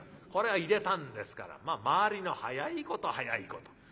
これを入れたんですから回りの早いこと早いこと。